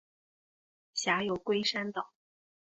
辖有龟山岛。